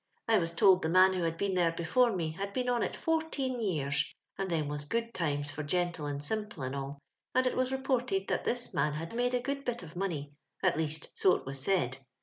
I was told the man who bad been there before me had been on it fourteen years, and them was good times for gentle and simple and oil — and it was rep<Mrted that this man had made a good bit of money, at least so it was said.